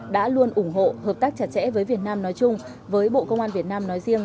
đã luôn ủng hộ hợp tác chặt chẽ với việt nam nói chung với bộ công an việt nam nói riêng